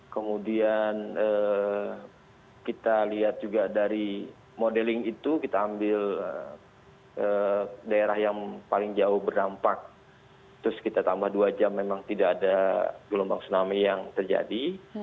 kemudian kita lihat juga dari modeling itu kita ambil daerah yang paling jauh berdampak terus kita tambah dua jam memang tidak ada gelombang tsunami yang terjadi